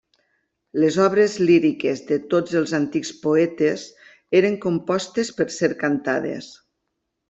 Les obres líriques de tots els antics poetes eren compostes per ser cantades.